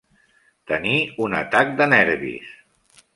Tenir un atac de nervis.